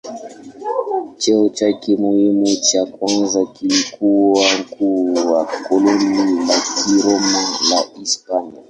Cheo chake muhimu cha kwanza kilikuwa mkuu wa koloni la Kiroma la Hispania.